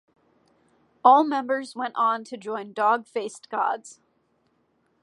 All members went on to join Dog Faced Gods.